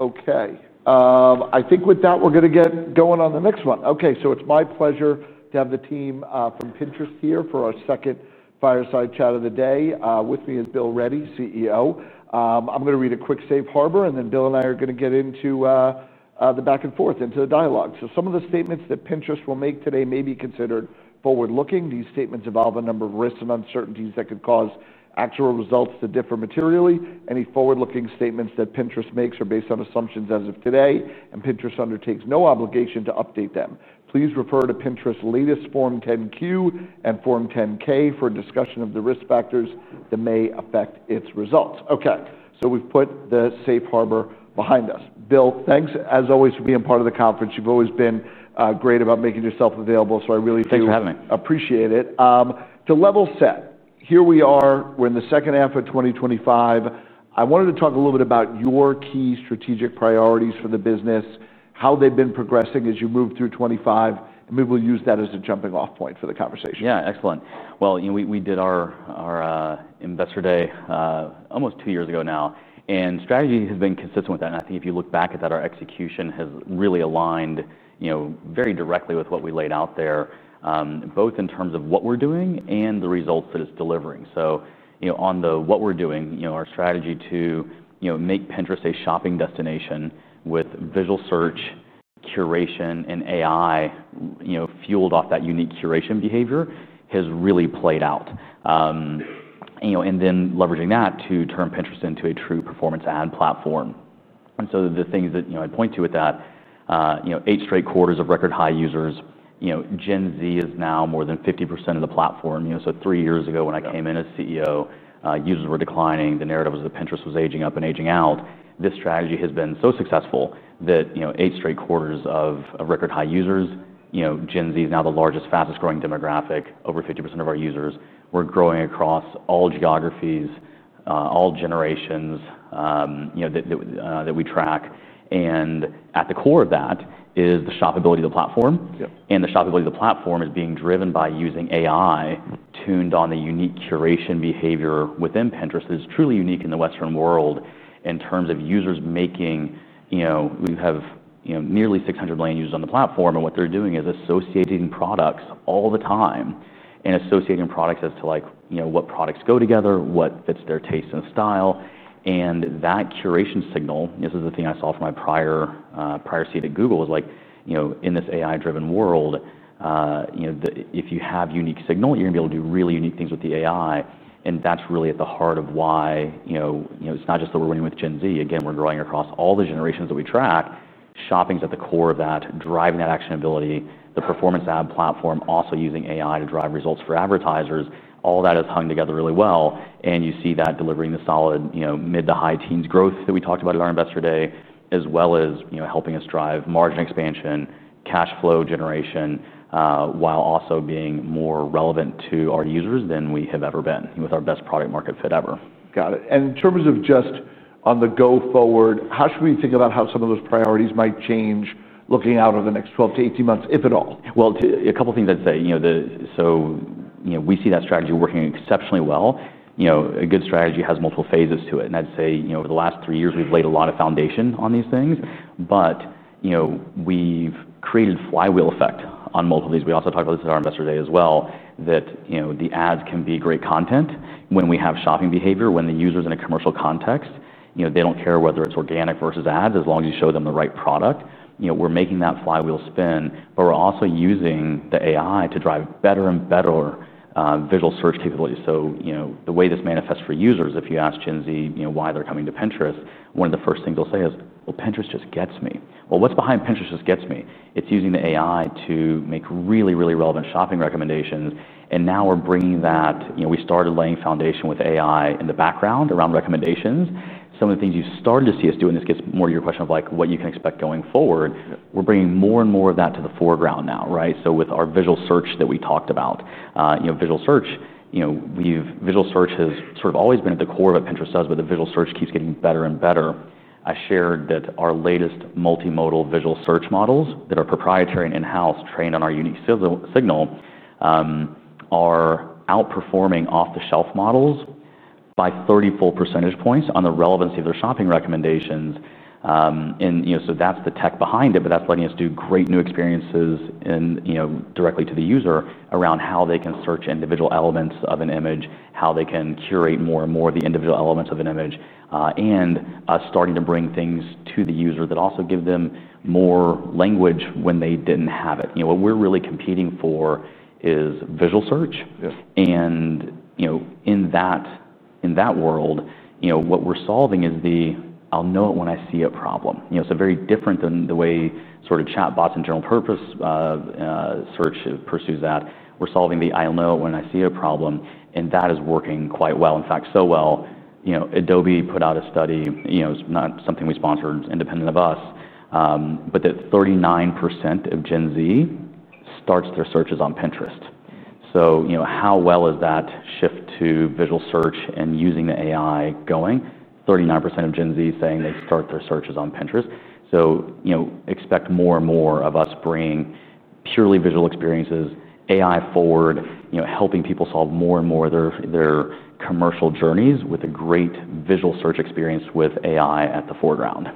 Okay. I think with that, we're going to get going on the next one. Okay. It's my pleasure to have the team from Pinterest here for our second fireside chat of the day. With me is Bill Ready, CEO. I'm going to read a quick safe harbor, and then Bill and I are going to get into the back and forth into the dialogue. Some of the statements that Pinterest will make today may be considered forward-looking. These statements involve a number of risks and uncertainties that could cause actual results to differ materially. Any forward-looking statements that Pinterest makes are based on assumptions as of today, and Pinterest undertakes no obligation to update them. Please refer to Pinterest's latest Form 10-Q and Form 10-K for a discussion of the risk factors that may affect its results. Okay. We've put the safe harbor behind us. Bill, thanks as always for being part of the conference. You've always been great about making yourself available. I really thank you. Thanks for having me. Appreciate it. To level set, here we are. We're in the second half of 2025. I wanted to talk a little bit about your key strategic priorities for the business, how they've been progressing as you move through 2025, and maybe we'll use that as a jumping-off point for the conversation. Yeah, excellent. You know, we did our Investor Day almost two years ago now, and strategy has been consistent with that. I think if you look back at that, our execution has really aligned very directly with what we laid out there, both in terms of what we're doing and the results that it's delivering. On the what we're doing, our strategy to make Pinterest a shopping destination with visual search, curation, and AI, fueled off that unique curation behavior, has really played out. Then leveraging that to turn Pinterest into a true performance ad platform. The things that I point to with that: eight straight quarters of record high users, Gen Z is now more than 50% of the platform. Three years ago when I came in as CEO, users were declining. The narrative was that Pinterest was aging up and aging out. This strategy has been so successful that eight straight quarters of record high users, Gen Z is now the largest, fastest growing demographic, over 50% of our users. We're growing across all geographies, all generations that we track. At the core of that is the shoppability of the platform. The shoppability of the platform is being driven by using AI tuned on the unique curation behavior within Pinterest that is truly unique in the Western world in terms of users making, we have nearly 600 million users on the platform. What they're doing is associating products all the time and associating products as to what products go together, what fits their taste and style. That curation signal, this is the thing I saw from my prior seat at Google, was like, in this AI-driven world, if you have unique signal, you're going to be able to do really unique things with the AI. That's really at the heart of why it's not just that we're working with Gen Z. Again, we're growing across all the generations that we track. Shopping is at the core of that, driving that actionability, the performance ad platform, also using AI to drive results for advertisers. All that is hung together really well. You see that delivering the solid mid to high teens growth that we talked about in our Investor Day, as well as helping us drive margin expansion, cash flow generation, while also being more relevant to our users than we have ever been with our best product-market fit ever. Got it. In terms of just on the go forward, how should we be thinking about how some of those priorities might change looking out over the next 12-18 months, if at all? A couple of things I'd say, you know, we see that strategy working exceptionally well. A good strategy has multiple phases to it. I'd say over the last three years, we've laid a lot of foundation on these things, but we've created a flywheel effect on multiple things. We also talked about this at our Investor Day as well, that the ads can be great content when we have shopping behavior, when the user's in a commercial context, they don't care whether it's organic versus ads, as long as you show them the right product. We're making that flywheel spin, but we're also using the AI to drive better and better visual search capabilities. The way this manifests for users, if you ask Gen Z why they're coming to Pinterest, one of the first things they'll say is, Pinterest just gets me. What's behind Pinterest just gets me? It's using the AI to make really, really relevant shopping recommendations. Now we're bringing that, we started laying foundation with AI in the background around recommendations. Some of the things you've started to see us do, and this gets more to your question of what you can expect going forward, we're bringing more and more of that to the foreground now, right? With our visual search that we talked about, visual search has sort of always been at the core of what Pinterest does, but the visual search keeps getting better and better. I shared that our latest multimodal visual search models that are proprietary and in-house, trained on our unique signal, are outperforming off-the-shelf models by 34 percentage points on the relevancy of their shopping recommendations. That's the tech behind it, but that's letting us do great new experiences and directly to the user around how they can search individual elements of an image, how they can curate more and more of the individual elements of an image, and starting to bring things to the user that also give them more language when they didn't have it. What we're really competing for is visual search. Yes. In that world, what we're solving is the "I'll know it when I see it" problem. Very different than the way sort of chat bots and general purpose search pursues that. We're solving the "I'll know it when I see it" problem, and that is working quite well. In fact, so well, Adobe put out a study, not something we sponsored, independent of us, that 39% of Gen Z starts their searches on Pinterest. How well is that shift to visual search and using the AI going? 39% of Gen Z saying they start their searches on Pinterest. Expect more and more of us bringing purely visual experiences, AI forward, helping people solve more and more of their commercial journeys with a great visual search experience with AI at the foreground.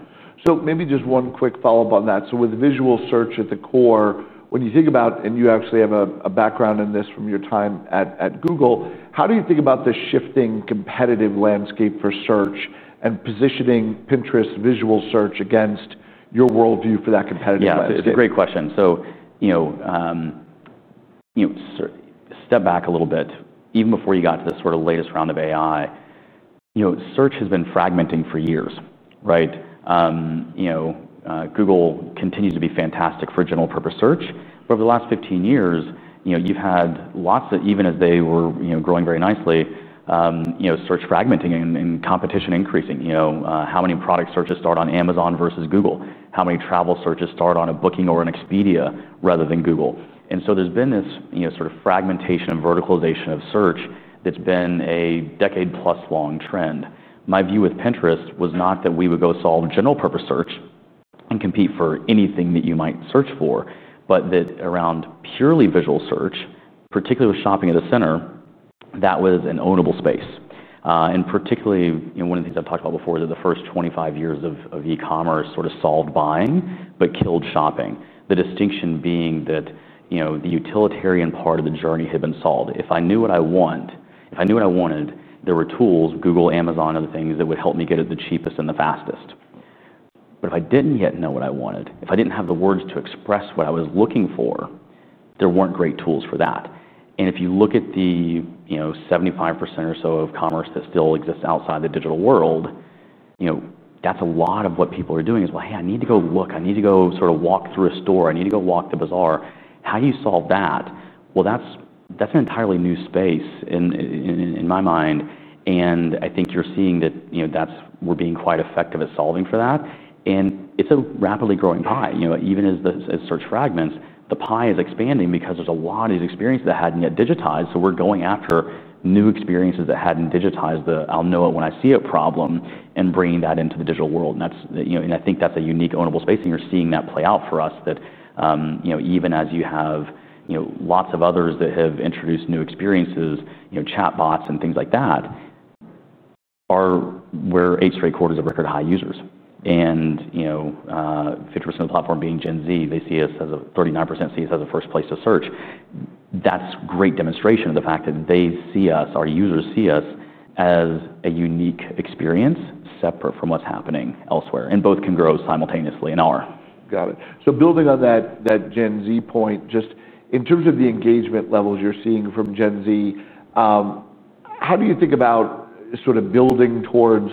Maybe just one quick follow-up on that. With visual search at the core, when you think about, and you actually have a background in this from your time at Google, how do you think about the shifting competitive landscape for search and positioning Pinterest's visual search against your worldview for that competitive landscape? Yeah, it's a great question. Step back a little bit, even before you got to this sort of latest round of AI, search has been fragmenting for years, right? Google continues to be fantastic for general purpose search, but over the last 15 years, you've had lots of, even as they were growing very nicely, search fragmenting and competition increasing. How many product searches start on Amazon versus Google? How many travel searches start on a Booking or an Expedia rather than Google? There's been this sort of fragmentation and verticalization of search that's been a decade plus long trend. My view with Pinterest was not that we would go solve general purpose search and compete for anything that you might search for, but that around purely visual search, particularly with shopping at the center, that was an ownable space. Particularly, one of the things I've talked about before is that the first 25 years of e-commerce sort of solved buying, but killed shopping. The distinction being that the utilitarian part of the journey had been solved. If I knew what I want, if I knew what I wanted, there were tools, Google, Amazon, other things that would help me get it the cheapest and the fastest. If I didn't yet know what I wanted, if I didn't have the words to express what I was looking for, there weren't great tools for that. If you look at the 75% or so of commerce that still exists outside the digital world, that's a lot of what people are doing is, hey, I need to go look. I need to go sort of walk through a store. I need to go walk the bazaar. How do you solve that? That's an entirely new space in my mind. I think you're seeing that we're being quite effective at solving for that. It's a rapidly growing pie. Even as the search fragments, the pie is expanding because there's a lot of these experiences that hadn't yet digitized. We're going after new experiences that hadn't digitized the, I'll know it when I see it problem and bringing that into the digital world. I think that's a unique ownable space. You're seeing that play out for us, that even as you have lots of others that have introduced new experiences, chat bots and things like that, we're eight straight quarters of record high users. With 50% of the platform being Gen Z, 39% see us as a first place to search. That's a great demonstration of the fact that they see us, our users see us as a unique experience separate from what's happening elsewhere. Both can grow simultaneously in our. Got it. Building on that Gen Z point, just in terms of the engagement levels you're seeing from Gen Z, how do you think about sort of building towards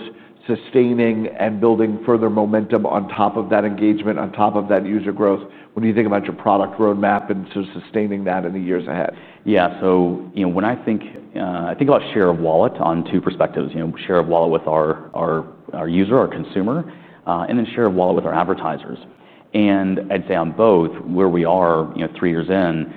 sustaining and building further momentum on top of that engagement, on top of that user growth when you think about your product roadmap and sort of sustaining that in the years ahead? Yeah, so, you know, when I think about share of wallet on two perspectives, you know, share of wallet with our user, our consumer, and then share of wallet with our advertisers. I'd say on both where we are, you know, three years in,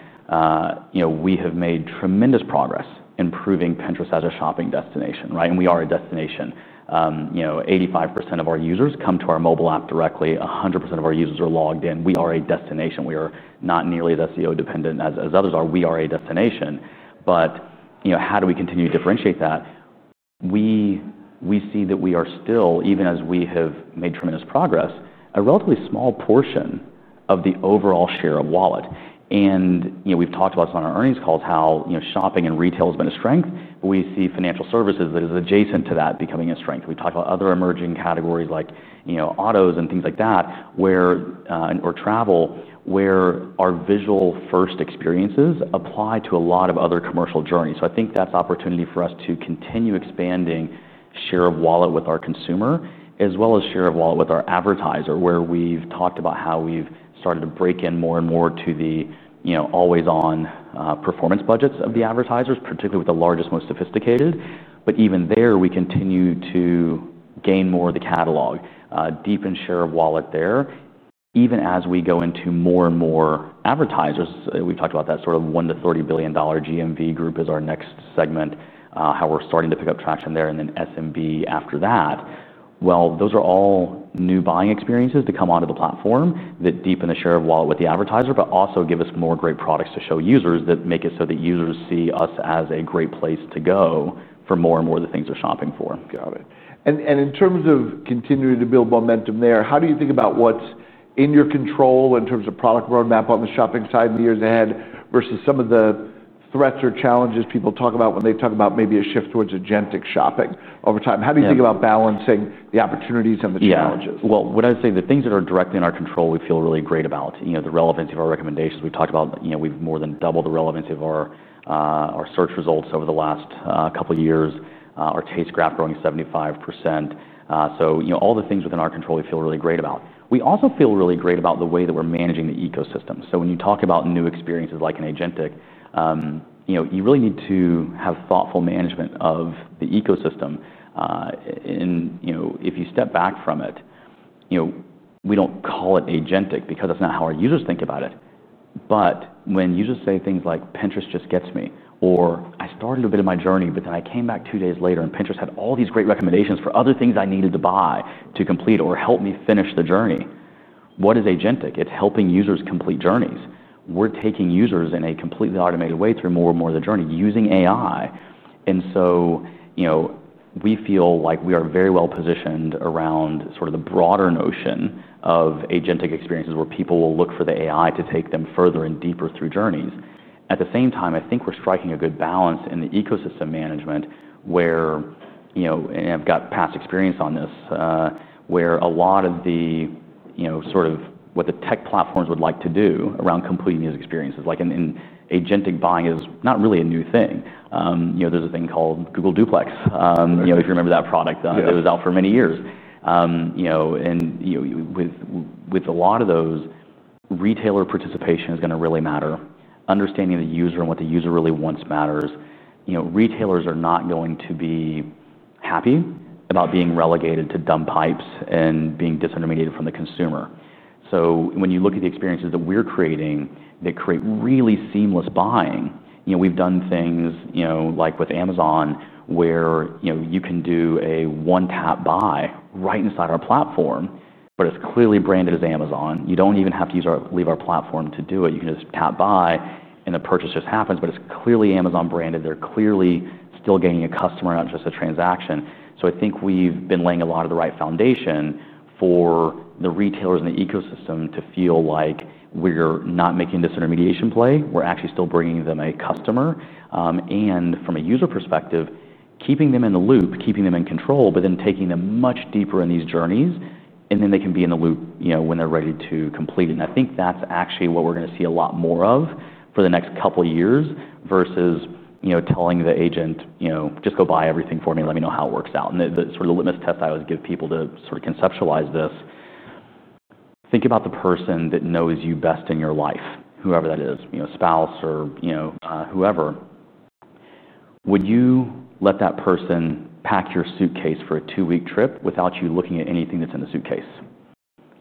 we have made tremendous progress improving Pinterest as a shopping destination, right? We are a destination. You know, 85% of our users come to our mobile app directly. 100% of our users are logged in. We are a destination. We are not nearly as SEO dependent as others are. We are a destination. You know, how do we continue to differentiate that? We see that we are still, even as we have made tremendous progress, a relatively small portion of the overall share of wallet. You know, we've talked about this on our earnings calls, how shopping and retail has been a strength. We see financial services that is adjacent to that becoming a strength. We've talked about other emerging categories like, you know, autos and things like that, or travel, where our visual first experiences apply to a lot of other commercial journeys. I think that's an opportunity for us to continue expanding share of wallet with our consumer, as well as share of wallet with our advertiser, where we've talked about how we've started to break in more and more to the always on, performance budgets of the advertisers, particularly with the largest, most sophisticated. Even there, we continue to gain more of the catalog, deepen share of wallet there. Even as we go into more and more advertisers, we've talked about that sort of $1 billion-$30 billion GMV group as our next segment, how we're starting to pick up traction there, and then SMB after that. Those are all new buying experiences to come onto the platform that deepen the share of wallet with the advertiser, but also give us more great products to show users that make it so that users see us as a great place to go for more and more of the things they're shopping for. Got it. In terms of continuing to build momentum there, how do you think about what's in your control in terms of product roadmap on the shopping side in the years ahead versus some of the threats or challenges people talk about when they talk about maybe a shift towards agentic shopping over time? How do you think about balancing the opportunities and the challenges? The things that are directly in our control, we feel really great about, you know, the relevancy of our recommendations. We've talked about, you know, we've more than doubled the relevancy of our search results over the last couple of years. Our taste graph growing 75%. All the things within our control, we feel really great about. We also feel really great about the way that we're managing the ecosystem. When you talk about new experiences like an agentic, you really need to have thoughtful management of the ecosystem. If you step back from it, you know, we don't call it agentic because that's not how our users think about it. When users say things like Pinterest just gets me, or I started a bit of my journey, but then I came back two days later and Pinterest had all these great recommendations for other things I needed to buy to complete or help me finish the journey. What is agentic? It's helping users complete journeys. We're taking users in a completely automated way through more and more of the journey using AI. We feel like we are very well positioned around sort of the broader notion of agentic experiences where people will look for the AI to take them further and deeper through journeys. At the same time, I think we're striking a good balance in the ecosystem management where, you know, and I've got past experience on this, where a lot of the, you know, sort of what the tech platforms would like to do around completing these experiences, like in agentic buying is not really a new thing. There's a thing called Google Duplex. If you remember that product, it was out for many years. With a lot of those, retailer participation is going to really matter. Understanding the user and what the user really wants matters. Retailers are not going to be happy about being relegated to dumb pipes and being disintermediated from the consumer. When you look at the experiences that we're creating, they create really seamless buying. We've done things, you know, like with Amazon where you can do a one tap buy right inside our platform, but it's clearly branded as Amazon. You don't even have to leave our platform to do it. You can just tap buy and the purchase just happens, but it's clearly Amazon branded. They're clearly still getting a customer out, just a transaction. I think we've been laying a lot of the right foundation for the retailers in the ecosystem to feel like we're not making this intermediation play. We're actually still bringing them a customer, and from a user perspective, keeping them in the loop, keeping them in control, but then taking them much deeper in these journeys. They can be in the loop when they're ready to complete it. I think that's actually what we're going to see a lot more of for the next couple of years versus telling the agent, just go buy everything for me and let me know how it works out. The sort of litmus test I always give people to conceptualize this is to think about the person that knows you best in your life, whoever that is, spouse or whoever. Would you let that person pack your suitcase for a two-week trip without you looking at anything that's in the suitcase?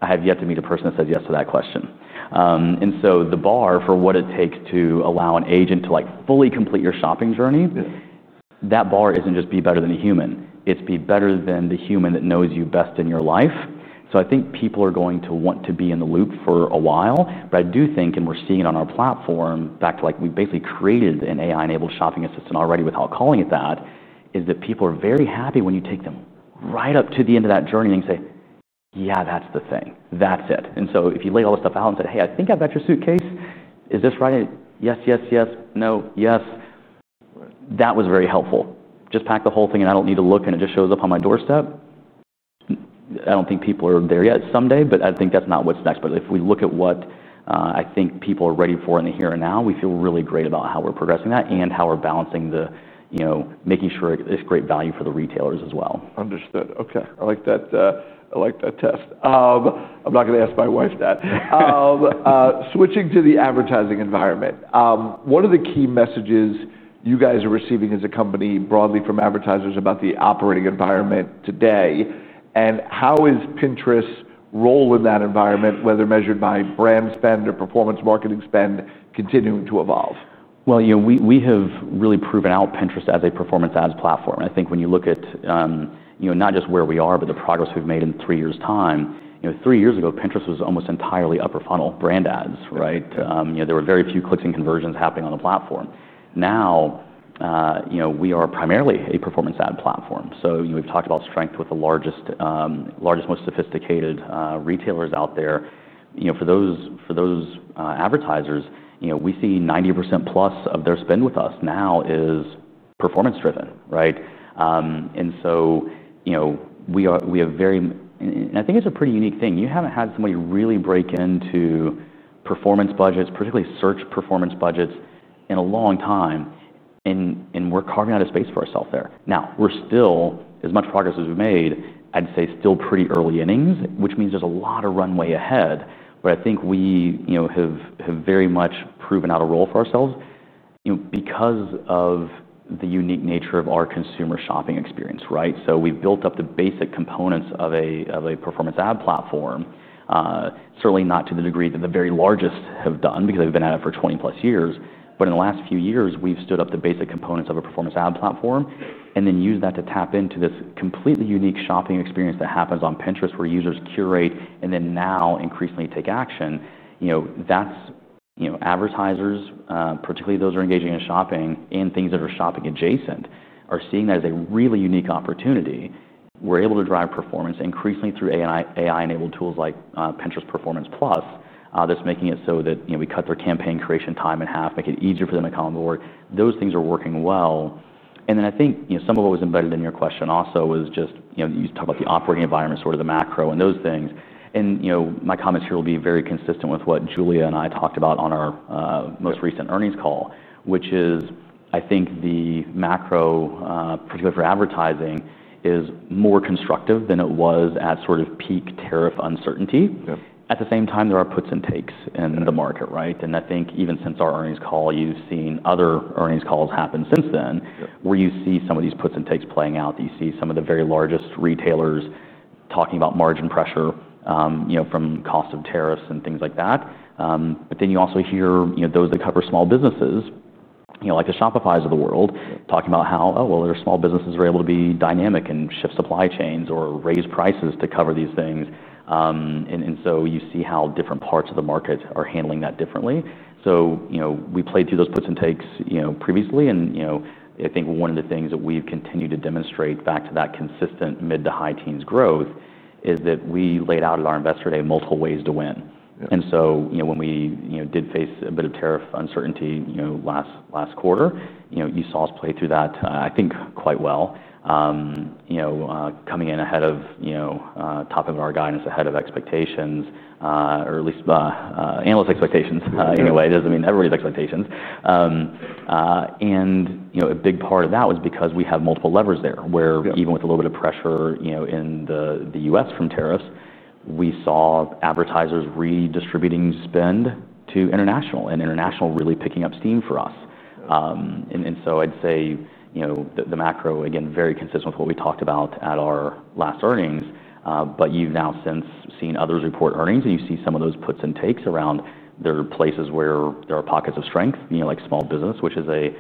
I have yet to meet a person that says yes to that question. The bar for what it takes to allow an agent to fully complete your shopping journey isn't just be better than a human. It's be better than the human that knows you best in your life. I think people are going to want to be in the loop for a while. I do think, and we're seeing it on our platform, back to like we basically created an AI-enabled shopping assistant already without calling it that, that people are very happy when you take them right up to the end of that journey and you say, yeah, that's the thing. That's it. If you laid all this stuff out and said, hey, I think I've got your suitcase. Is this right? Yes, yes, yes, no, yes. That was very helpful. Just pack the whole thing and I don't need to look and it just shows up on my doorstep. I don't think people are there yet someday, but I think that's not what's next. If we look at what I think people are ready for in the here and now, we feel really great about how we're progressing that and how we're balancing making sure it's great value for the retailers as well. Understood. Okay. I like that. I like that test. I'm not going to ask my wife that. Switching to the advertising environment, what are the key messages you guys are receiving as a company broadly from advertisers about the operating environment today? How is Pinterest's role in that environment, whether measured by brand spend or performance marketing spend, continuing to evolve? You know, we have really proven out Pinterest as a performance ads platform. I think when you look at, you know, not just where we are, but the progress we've made in three years' time, three years ago, Pinterest was almost entirely upper funnel brand ads, right? There were very few clicks and conversions happening on the platform. Now, we are primarily a performance ad platform. We've talked about strength with the largest, most sophisticated retailers out there. For those advertisers, we see 90%+ of their spend with us now is performance-driven, right? We have very, and I think it's a pretty unique thing. You haven't had somebody really break into performance budgets, particularly search performance budgets, in a long time. We're carving out a space for ourselves there. As much progress as we've made, I'd say still pretty early innings, which means there's a lot of runway ahead. I think we have very much proven out a role for ourselves because of the unique nature of our consumer shopping experience, right? We've built up the basic components of a performance ad platform, certainly not to the degree that the very largest have done because they've been at it for 20+ years. In the last few years, we've stood up the basic components of a performance ad platform and then used that to tap into this completely unique shopping experience that happens on Pinterest where users curate and then now increasingly take action. Advertisers, particularly those who are engaging in shopping and things that are shopping adjacent, are seeing that as a really unique opportunity. We're able to drive performance increasingly through AI-enabled tools like Pinterest Performance+ that's making it so that we cut their campaign creation time in half, make it easier for them to come on board. Those things are working well. I think some of what was embedded in your question also was just, you know, you talk about the operating environment, sort of the macro and those things. My comments here will be very consistent with what Julia and I talked about on our most recent earnings call, which is, I think the macro, particularly for advertising, is more constructive than it was at sort of peak tariff uncertainty. At the same time, there are puts and takes in the market, right? I think even since our earnings call, you've seen other earnings calls happen since then where you see some of these puts and takes playing out. You see some of the very largest retailers talking about margin pressure, you know, from cost of tariffs and things like that, but then you also hear, you know, those that cover small businesses, you know, like the Shopifys of the world, talking about how, oh, well, there are small businesses that are able to be dynamic and shift supply chains or raise prices to cover these things. You see how different parts of the market are handling that differently. We played through those puts and takes previously. I think one of the things that we've continued to demonstrate, back to that consistent mid to high teens growth, is that we laid out at our Investor Day multiple ways to win. When we did face a bit of tariff uncertainty last quarter, you saw us play through that, I think, quite well, you know, coming in ahead of, you know, top of our guidance, ahead of expectations, or at least analyst expectations, in a way. It doesn't mean everybody's expectations, and, you know, a big part of that was because we have multiple levers there where even with a little bit of pressure in the U.S. from tariffs, we saw advertisers redistributing spend to international, and international really picking up steam for us. I'd say the macro, again, very consistent with what we talked about at our last earnings. You've now since seen others report earnings, and you see some of those puts and takes around. There are places where there are pockets of strength, you know, like small business, which is a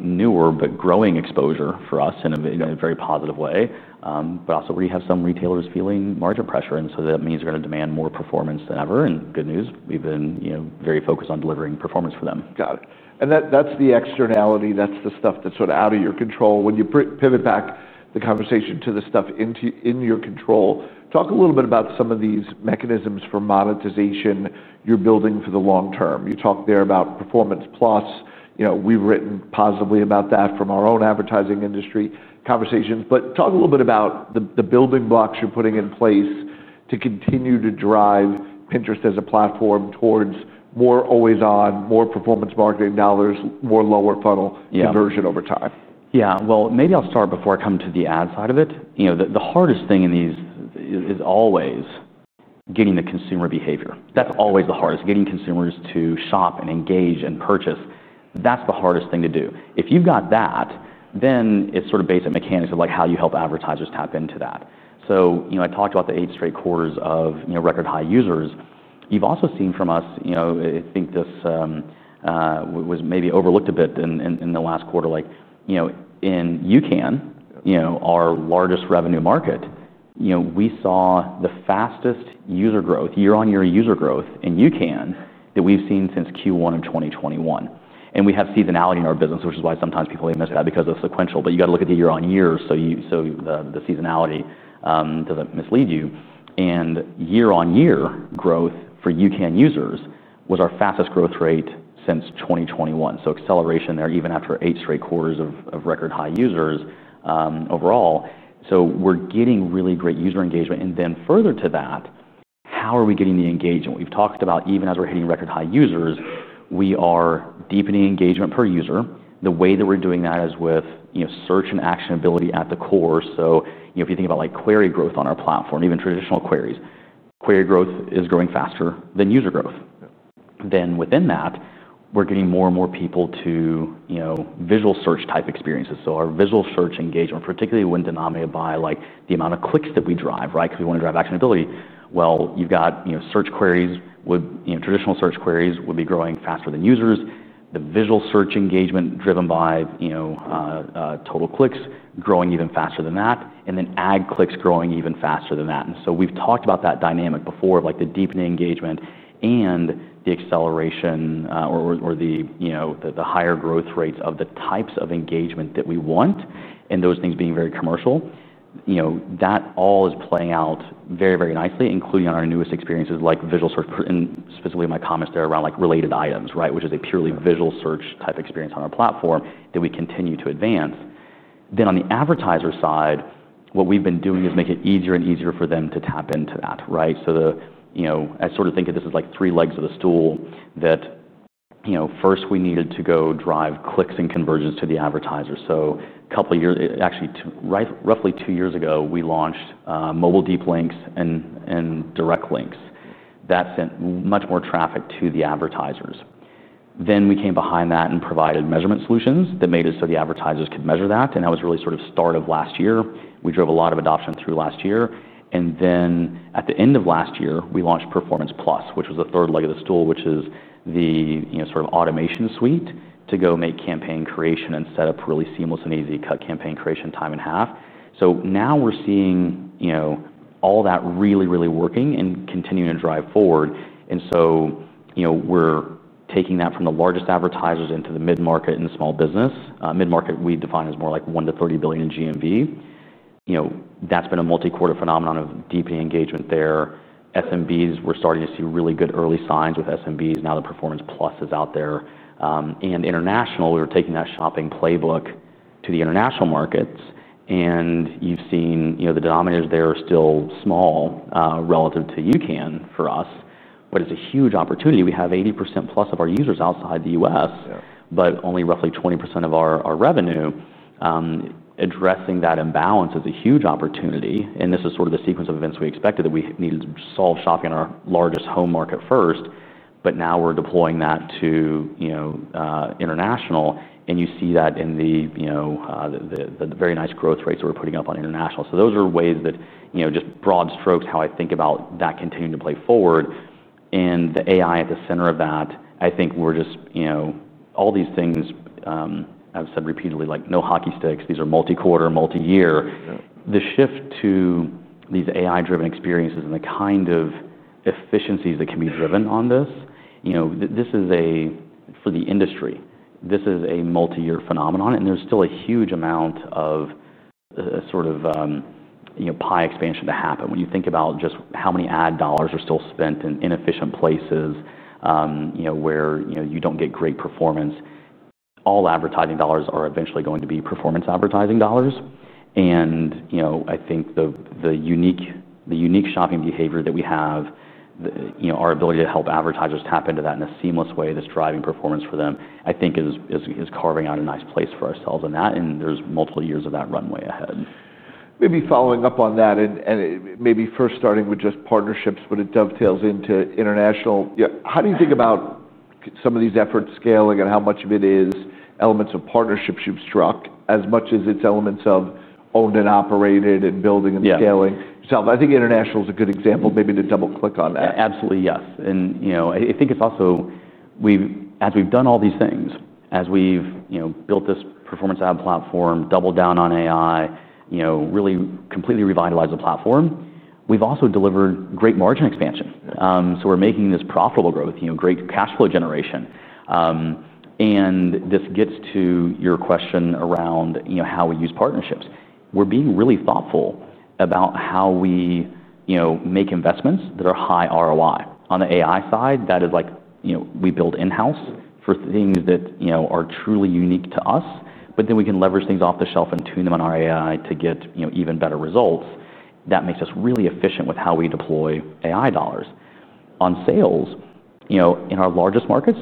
newer but growing exposure for us in a very positive way, but also where you have some retailers feeling margin pressure. That means they're going to demand more performance than ever, and good news, we've been, you know, very focused on delivering performance for them. Got it. That's the externality. That's the stuff that's sort of out of your control. When you pivot back the conversation to the stuff in your control, talk a little bit about some of these mechanisms for monetization you're building for the long term. You talk there about Performance+. We've written positively about that from our own advertising industry conversations, but talk a little bit about the building blocks you're putting in place to continue to drive Pinterest as a platform towards more always on, more performance marketing dollars, more lower funnel conversion over time. Maybe I'll start before I come to the ad side of it. The hardest thing in these is always getting the consumer behavior. That's always the hardest, getting consumers to shop and engage and purchase. That's the hardest thing to do. If you've got that, then it's sort of basic mechanics of how you help advertisers tap into that. I talked about the eight straight quarters of record high users. You've also seen from us, I think this was maybe overlooked a bit in the last quarter, in UCAN, our largest revenue market, we saw the fastest user growth, year-on-year user growth in UCAN that we've seen since Q1 of 2021. We have seasonality in our business, which is why sometimes people miss that because of the sequential, but you have to look at the year-on-year. The seasonality doesn't mislead you. Year-on-year growth for UCAN users was our fastest growth rate since 2021. Acceleration there, even after eight straight quarters of record high users overall. We're getting really great user engagement. Further to that, how are we getting the engagement? We've talked about even as we're hitting record high users, we are deepening engagement per user. The way that we're doing that is with search and actionability at the core. If you think about query growth on our platform, even traditional queries, query growth is growing faster than user growth. Within that, we're getting more and more people to visual search type experiences. Our visual search engagement, particularly when denominated by the amount of clicks that we drive, because we want to drive actionability. You've got search queries with traditional search queries growing faster than users. The visual search engagement driven by total clicks growing even faster than that, and then ad clicks growing even faster than that. We've talked about that dynamic before of the deepening engagement and the acceleration, or the higher growth rates of the types of engagement that we want. Those things being very commercial, that all is playing out very, very nicely, including on our newest experiences like visual search, and specifically my comments there around related items. Which is a purely visual search type experience on our platform that we continue to advance. On the advertiser side, what we've been doing is making it easier and easier for them to tap into that, right? I sort of think of this as like three legs of the stool. First, we needed to go drive clicks and conversions to the advertisers. A couple of years, actually roughly two years ago, we launched mobile deep links and direct links that sent much more traffic to the advertisers. We came behind that and provided measurement solutions that made it so the advertisers could measure that. That was really sort of the start of last year. We drove a lot of adoption through last year. At the end of last year, we launched Performance+, which was the third leg of the stool, which is the automation suite to go make campaign creation and setup really seamless and easy to cut campaign creation time in half. Now we're seeing all that really, really working and continuing to drive forward. We're taking that from the largest advertisers into the mid-market and small business. Mid-market we define as more like $1 billion-$30 billion in GMV. That's been a multi-quarter phenomenon of deepening engagement there. SMBs, we're starting to see really good early signs with SMBs now that Performance+ is out there. Internationally, we were taking that shopping playbook to the international markets. You've seen the denominators there are still small, relative to U.S. and Canada for us, but it's a huge opportunity. We have 80%+ of our users outside the U.S., but only roughly 20% of our revenue. Addressing that imbalance is a huge opportunity. This is sort of the sequence of events we expected, that we needed to solve shopping in our largest home market first. Now we're deploying that to international. You see that in the very nice growth rates that we're putting up on international. Those are ways that, just broad strokes, how I think about that continuing to play forward. The AI at the center of that, I think we're just, all these things, I've said repeatedly, like no hockey sticks. These are multi-quarter, multi-year. The shift to these AI-driven experiences and the kind of efficiencies that can be driven on this, this is, for the industry, a multi-year phenomenon. There is still a huge amount of, you know, pie expansion to happen. When you think about just how many ad dollars are still spent in inefficient places, you know, where you don't get great performance. All advertising dollars are eventually going to be performance advertising dollars. I think the unique shopping behavior that we have, our ability to help advertisers tap into that in a seamless way that's driving performance for them, is carving out a nice place for ourselves in that. There are multiple years of that runway ahead. Maybe following up on that and maybe first starting with just partnerships, when it dovetails into international, how do you think about some of these efforts scaling, and how much of it is elements of partnerships you've struck as much as it's elements of owned and operated and building and scaling yourself? I think international is a good example, maybe to double click on that. Absolutely, yes. I think it's also, as we've done all these things, as we've built this performance ad platform, doubled down on AI, really completely revitalized the platform, we've also delivered great margin expansion. We're making this profitable growth, great cash flow generation. This gets to your question around how we use partnerships. We're being really thoughtful about how we make investments that are high ROI. On the AI side, that is like, we build in-house for things that are truly unique to us, but then we can leverage things off the shelf and tune them on our AI to get even better results. That makes us really efficient with how we deploy AI dollars. On sales, in our largest markets,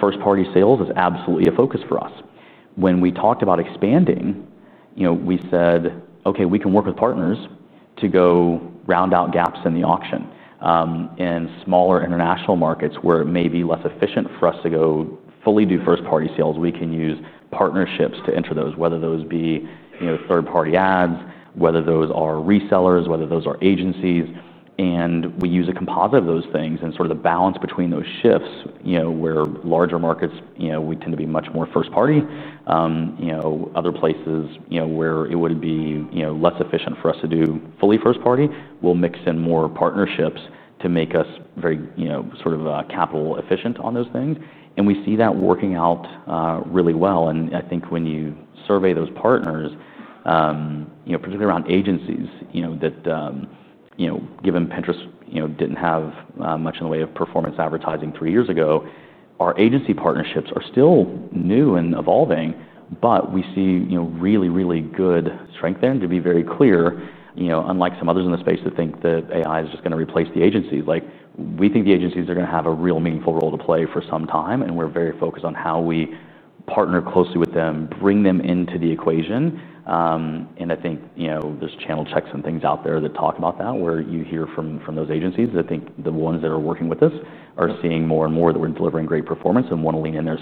first party sales is absolutely a focus for us. When we talked about expanding, we said, okay, we can work with partners to go round out gaps in the auction. In smaller international markets where it may be less efficient for us to go fully do first party sales, we can use partnerships to enter those, whether those be third-party ads, whether those are resellers, whether those are agencies. We use a composite of those things and sort of the balance between those shifts, where larger markets, we tend to be much more first party. In other places, where it would be less efficient for us to do fully first party, we'll mix in more partnerships to make us very capital efficient on those things. We see that working out really well. I think when you survey those partners, particularly around agencies, given Pinterest didn't have much in the way of performance advertising three years ago, our agency partnerships are still new and evolving, but we see really, really good strength there. To be very clear, unlike some others in the space that think that AI is just going to replace the agencies, we think the agencies are going to have a real meaningful role to play for some time. We're very focused on how we partner closely with them, bring them into the equation. I think there's channel checks and things out there that talk about that where you hear from those agencies. I think the ones that are working with us are seeing more and more that we're delivering great performance and want to lean in there.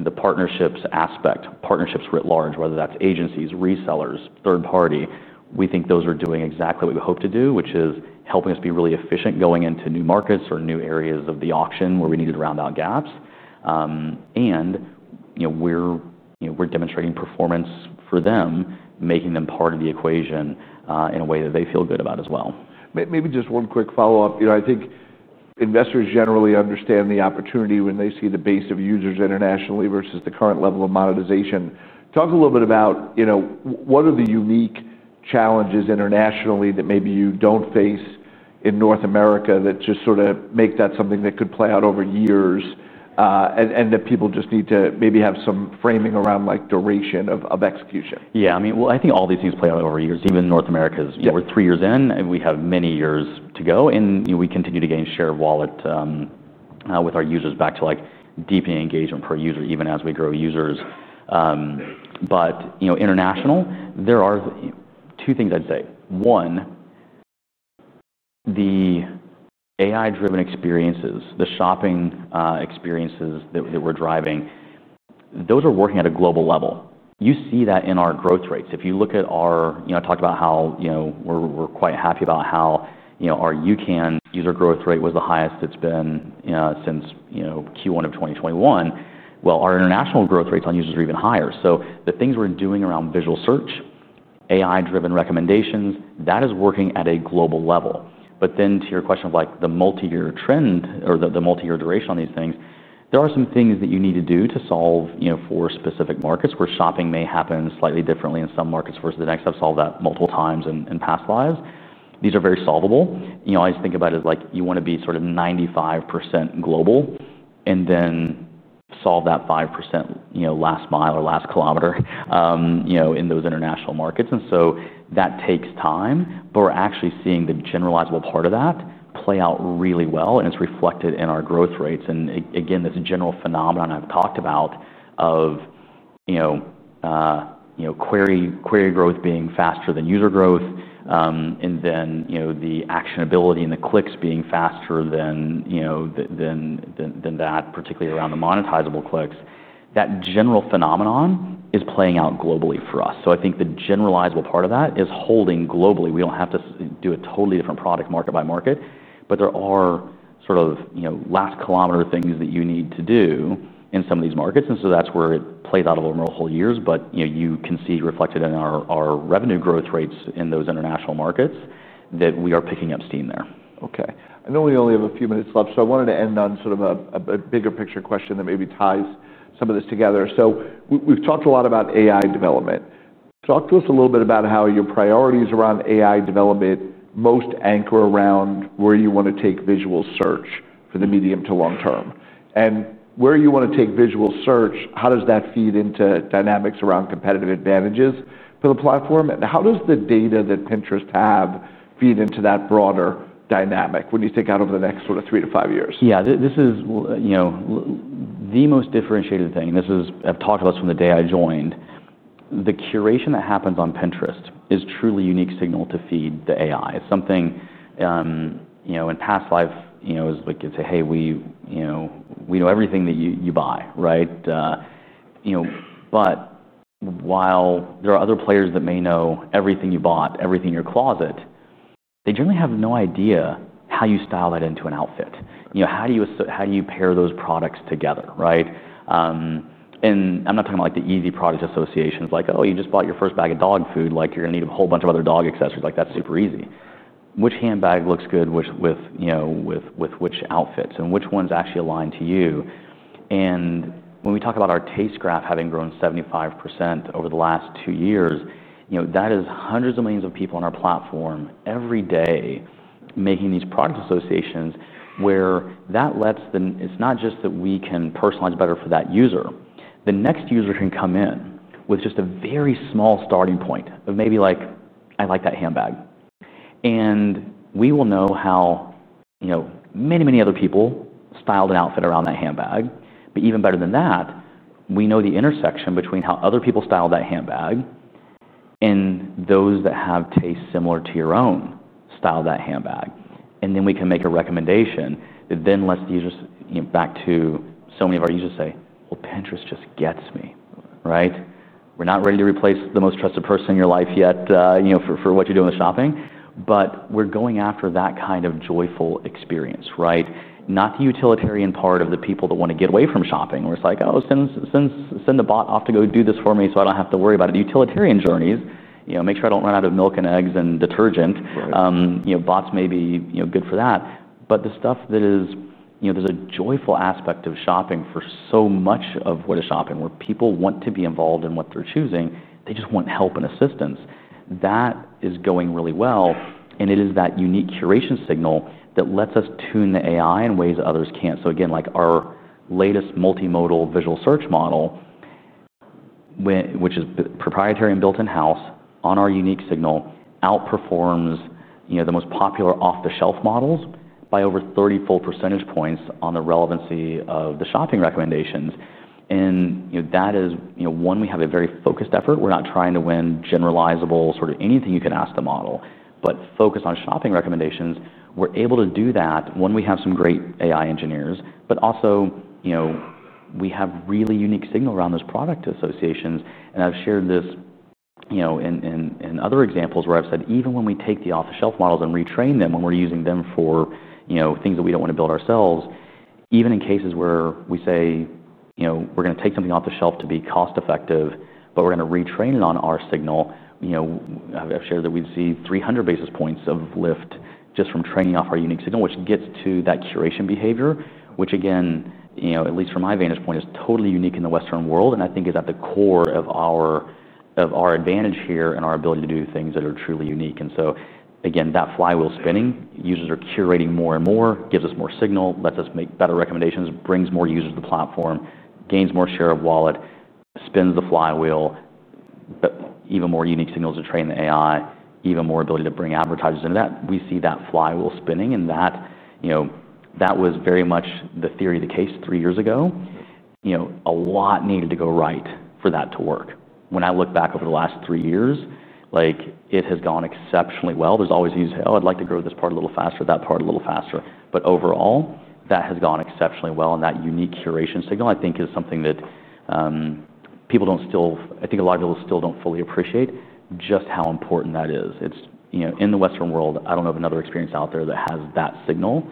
The partnerships aspect, partnerships writ large, whether that's agencies, resellers, third-party, we think those are doing exactly what we hope to do, which is helping us be really efficient going into new markets or new areas of the auction where we needed to round out gaps. We're demonstrating performance for them, making them part of the equation, in a way that they feel good about as well. Maybe just one quick follow-up. I think investors generally understand the opportunity when they see the base of users internationally versus the current level of monetization. Talk a little bit about what are the unique challenges internationally that maybe you don't face in North America that just sort of make that something that could play out over years, and that people just need to maybe have some framing around like duration of execution. Yeah, I mean, I think all these things play out over years, even in North America. We're three years in and we have many years to go. We continue to gain share of wallet with our users, back to deepening engagement per user, even as we grow users. Internationally, there are two things I'd say. One, the AI-driven experiences, the shopping experiences that we're driving, those are working at a global level. You see that in our growth rates. If you look at our, I talked about how we're quite happy about how our UCAN user growth rate was the highest it's been since Q1 of 2021. Our international growth rates on users are even higher. The things we're doing around visual search, AI-driven recommendations, that is working at a global level. To your question of the multi-year trend or the multi-year duration on these things, there are some things that you need to do to solve for specific markets where shopping may happen slightly differently in some markets versus the next. I have solved that multiple times in past lives. These are very solvable. I just think about it as you want to be sort of 95% global and then solve that 5%, last mile or last kilometer, in those international markets. That takes time, but we're actually seeing the generalizable part of that play out really well. It's reflected in our growth rates. Again, this general phenomenon I've talked about of query growth being faster than user growth, and then the actionability and the clicks being faster than that, particularly around the monetizable clicks. That general phenomenon is playing out globally for us. I think the generalizable part of that is holding globally. We don't have to do a totally different product market by market, but there are last kilometer things that you need to do in some of these markets. That's where it played out over multiple years. You can see reflected in our revenue growth rates in those international markets that we are picking up steam there. Okay. I know we only have a few minutes left. I wanted to end on sort of a bigger picture question that maybe ties some of this together. We've talked a lot about AI development. Talk to us a little bit about how your priorities around AI development most anchor around where you want to take visual search for the medium to long term. Where you want to take visual search, how does that feed into dynamics around competitive advantages for the platform? How does the data that Pinterest have feed into that broader dynamic when you think out over the next sort of three to five years? Yeah, this is the most differentiated thing. This is, I've talked about this from the day I joined. The curation that happens on Pinterest is a truly unique signal to feed the AI. In past life, as we could say, hey, we know everything that you buy, right? While there are other players that may know everything you bought, everything in your closet, they generally have no idea how you style that into an outfit. How do you pair those products together, right? I'm not talking about the easy product association of like, oh, you just bought your first bag of dog food, like you're going to need a whole bunch of other dog accessories. That's super easy. Which handbag looks good with which outfits and which ones actually align to you. When we talk about our taste graph having grown 75% over the last two years, that is hundreds of millions of people on our platform every day making these product associations. That lets the, it's not just that we can personalize better for that user. The next user can come in with just a very small starting point of maybe like, I like that handbag. We will know how many, many other people styled an outfit around that handbag. Even better than that, we know the intersection between how other people styled that handbag and those that have tastes similar to your own style of that handbag. Then we can make a recommendation that lets the users, back to so many of our users say, Pinterest just gets me, right? We're not ready to replace the most trusted person in your life yet for what you're doing with shopping. We're going after that kind of joyful experience, right? Not the utilitarian part of the people that want to get away from shopping where it's like, oh, send the bot off to go do this for me so I don't have to worry about it. The utilitarian journeys, make sure I don't run out of milk and eggs and detergent. Bots may be good for that. The stuff that is, there's a joyful aspect of shopping for so much of what is shopping where people want to be involved in what they're choosing. They just want help and assistance. That is going really well. It is that unique curation signal that lets us tune the AI in ways others can't. Our latest multimodal visual search model, which is proprietary and built in-house on our unique signal, outperforms the most popular off-the-shelf models by over 30 full percentage points on the relevancy of the shopping recommendations. That is one, we have a very focused effort. We're not trying to win generalizable sort of anything you can ask the model, but focus on shopping recommendations. We're able to do that. One, we have some great AI engineers, but also we have really unique signal around those product associations. I've shared this in other examples where I've said, even when we take the off-the-shelf models and retrain them when we're using them for things that we don't want to build ourselves, even in cases where we say we're going to take something off the shelf to be cost-effective, but we're going to retrain it on our signal, I've shared that we'd see 300 basis points of lift just from training off our unique signal, which gets to that curation behavior, which at least from my vantage point, is totally unique in the Western world. I think it is at the core of our advantage here and our ability to do things that are truly unique. That flywheel spinning, users are curating more and more, gives us more signal, lets us make better recommendations, brings more users to the platform, gains more share of wallet, spins the flywheel, but even more unique signals to train the AI, even more ability to bring advertisers into that. We see that flywheel spinning and that was very much the theory of the case three years ago. A lot needed to go right for that to work. When I look back over the last three years, it has gone exceptionally well. There's always these, oh, I'd like to grow this part a little faster, that part a little faster. Overall, that has gone exceptionally well. That unique curation signal, I think, is something that people don't still, I think a lot of people still don't fully appreciate just how important that is. In the Western world, I don't know of another experience out there that has that signal.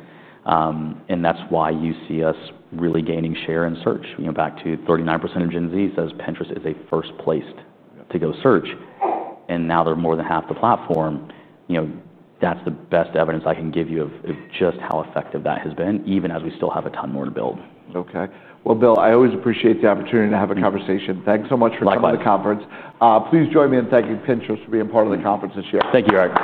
That's why you see us really gaining share in search. Back to 39% of Gen Z says Pinterest is a first place to go search. Now they're more than half the platform. You know, that's the best evidence I can give you of just how effective that has been, even as we still have a ton more to build. Okay. Bill, I always appreciate the opportunity to have a conversation. Thanks so much for coming to the conference. Please join me in thanking Pinterest for being part of the conference this year. Thank you, Eric.